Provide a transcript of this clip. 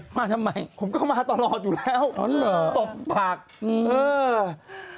มาทำไมผมก็มาตลอดอยู่แล้วอ๋อเหรอตบปากอืมเออ